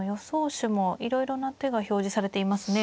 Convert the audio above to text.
手もいろいろな手が表示されていますね。